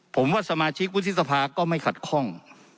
ผมว่าสมาชิกวุฒิสภาก็ไม่ขัดข้อง